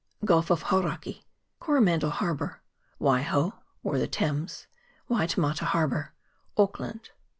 Gulf of Hauraki Coromandel Harbour Waiho, or the Thames Waitemata Harbour Auckland.